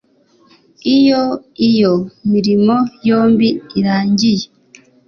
Iyo iyo mirimo yombi irangiye